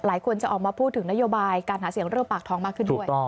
หลายคนจะออกมาพูดถึงนโยบายการหาเสียงเรื่องปากท้องมากขึ้นด้วย